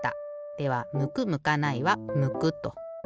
ではむくむかないは「むく」と。